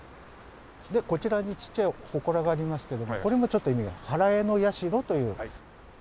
でこちらにちっちゃい祠がありますけどもこれもちょっと意味が祓社というお社です。